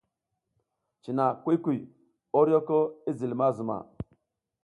Cina kuy kuy, oryoko i zil ma zuma.